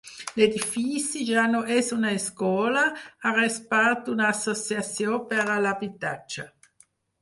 L'edifici ja no és una escola, ara és part d'una associació per a l'habitatge.